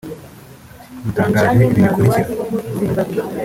dutangaje ibi bikurikira